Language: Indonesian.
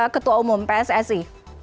ketua umum pssi